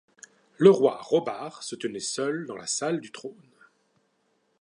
Le roi Rhobar se tenait seul dans la salle du trône.